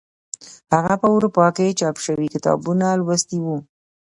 هغه په اروپا کې چاپ شوي کتابونه لوستي وو.